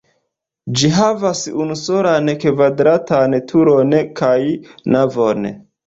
Ĝi havas unusolan kvadratan turon kaj navon.